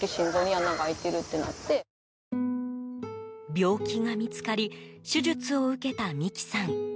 病気が見つかり手術を受けた美希さん。